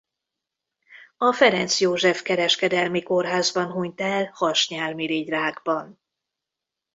A Ferenc József kereskedelmi kórházban hunyt el hasnyálmirigyrákban.